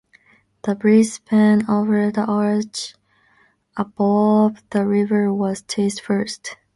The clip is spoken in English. The bridge span over the arch above the river was tested first.